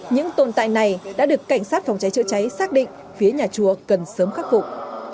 những tồn tại này đã được cảnh sát phòng cháy chữa cháy xác định phía nhà chùa cần sớm khắc phục